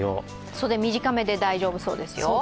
袖、短めで大丈夫そうですよ。